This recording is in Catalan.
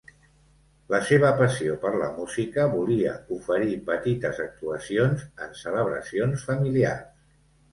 La seva passió per la música volia oferir petites actuacions en celebracions familiars.